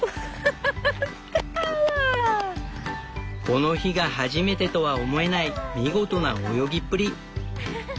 この日が初めてとは思えない見事な泳ぎっぷり。